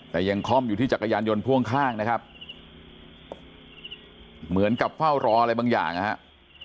แต่ยังคล่อมอยู่ที่จักรยานยนต์พ่วงข้างนะครับเหมือนกับเฝ้ารออะไรบางอย่างนะครับ